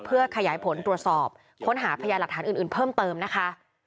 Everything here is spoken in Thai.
เพื่อขยายผลตรวจสอบค้นหาพยานหลักฐานอื่นเพิ่มเติมนะคะ